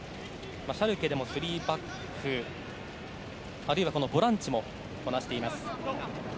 シャルケでも３バックあるいはボランチもこなしています。